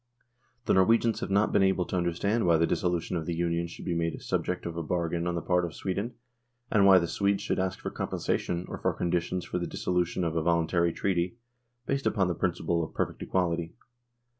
The Norwegians have not been able to understand why the dissolution of the Union should be made the subject of a bargain on the part of Sweden, and why the Swedes should ask for com pensation or for conditions for the dissolution of a voluntary treaty, based upon the principle of perfect equality.